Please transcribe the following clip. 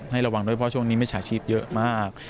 ให้ระวังด้วยเพราะว่าช่วงนี้มีชาชิพเยอะมาก